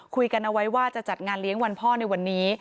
คุยกันเอาไว้ว่าจะจัดงานเลี้ยงวันพ่อในวันนี้